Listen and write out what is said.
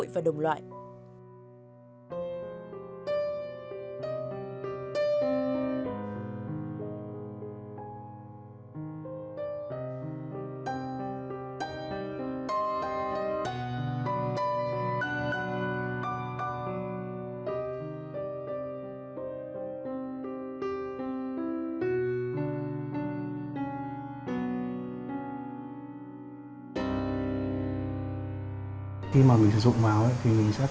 với gia đình